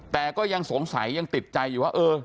แต่ก็ยังสงสัยยังติดใจว่าเออ